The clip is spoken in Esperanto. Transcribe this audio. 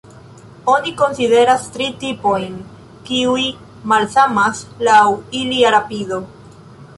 Oni konsideras tri tipojn, kiuj malsamas laŭ ilia rapido.